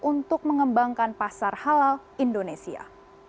untuk mengembangkan pasar halal indonesia